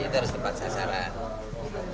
jadi itu harus tempat sasaran